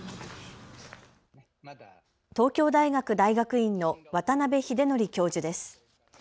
東京大学大学院の渡邉英徳教授です。